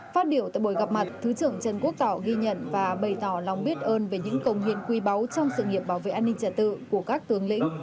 phát điệu tại buổi gặp mặt thứ trưởng trần quốc tảo ghi nhận và bày tỏ lòng biết ơn về những công nghiên quy báu trong sự nghiệp bảo vệ an ninh trật tự của các tướng lĩnh